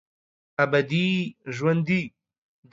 ابدي ژوندي